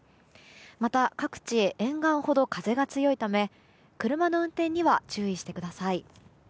また、各地沿岸ほど風が強いため車の運転には注意してください。